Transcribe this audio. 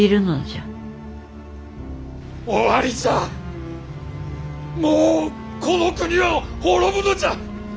終わりじゃもうこの国は滅ぶのじゃ！